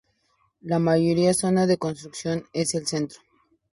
La mayor zona de construcción es el centro.